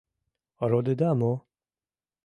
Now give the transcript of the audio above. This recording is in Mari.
— Родыда мо?